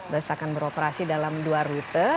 bus akan beroperasi dalam dua rute